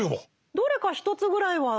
どれか１つぐらいは？